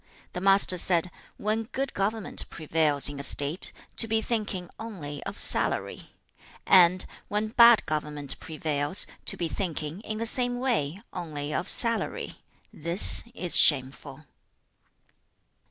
The Master said, 'When good government prevails in a state, to be thinking only of salary; and, when bad government prevails, to be thinking, in the same way, only of salary; this is shameful.'